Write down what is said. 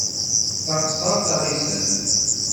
Taɣsert taɣisant.